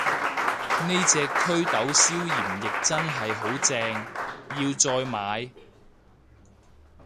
呢隻袪痘消炎液真係好正，要再買